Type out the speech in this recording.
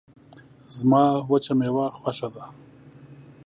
زما وچه میوه خوشه ده